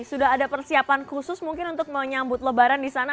sudah ada persiapan khusus mungkin untuk menyambut lebaran disana